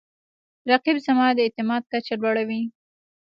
رقیب زما د اعتماد کچه لوړوي